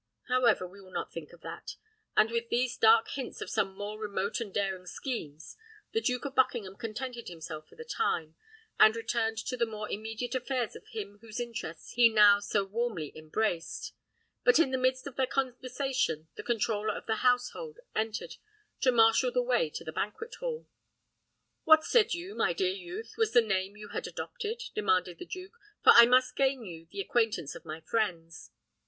However, we will not think of that!" And with these dark hints of some more remote and daring schemes, the Duke of Buckingham contented himself for the time, and returned to the more immediate affairs of him whose interest he now so warmly embraced. But in the midst of their conversation, the controller of the household entered to marshal the way to the banquet hall. "What said you, my dear youth, was the name you had adopted?" demanded the duke; "for I must gain you the acquaintance of my friends."